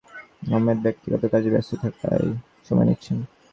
শৃঙ্খলা কমিটির প্রধান মেজবাহ আহমেদ ব্যক্তিগত কাজে ব্যস্ত থাকায় সময় নিচ্ছেন।